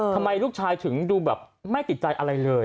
ทำไมลูกชายถึงดูแบบไม่ติดใจอะไรเลย